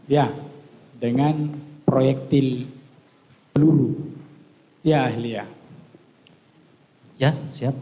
ya dengan proyektil peluru ya ahli ya ya siap siap